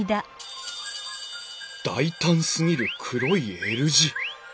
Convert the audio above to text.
大胆すぎる黒いＬ字。